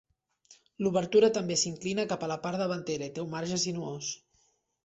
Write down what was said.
L'obertura també s'inclina cap a la part davantera i té un marge sinuós.